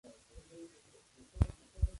Parte del palacio es administrado por Taj Hotels.